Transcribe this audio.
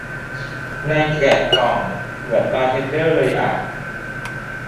ใน แกะกล่อง เหมือน บาร์เทนเดอร์ เลยอ่ะ